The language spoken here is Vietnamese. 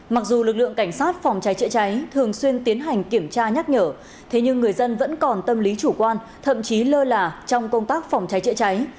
mặc dù lực lượng cảnh sát phòng cháy chữa cháy thường xuyên tiến hành kiểm tra nhắc nhở thế nhưng người dân vẫn còn tâm lý chủ quan thậm chí lơ là trong công tác phòng cháy chữa cháy